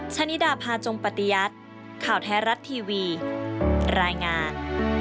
ชะนิดาพาจงปฏิยัติข่าวไทยรัฐทีวีรายงาน